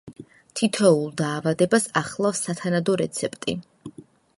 თითოეულ დაავადებას ახლავს სათანადო რეცეპტი.